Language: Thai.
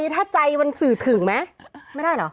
ถ้าใจมันสื่อถึงไหมไม่ได้เหรอ